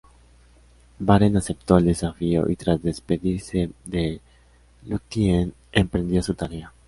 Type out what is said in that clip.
Beren aceptó el desafío y tras despedirse de Lúthien emprendió su tarea.